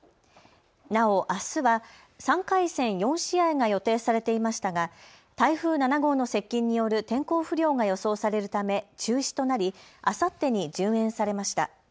なお、あすは３回戦４試合が予定されていましたが台風７号の接近による天候不良が予想されるため中止となりあさってに順延されました。